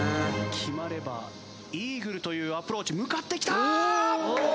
決まればイーグルというアプローチ向かってきた！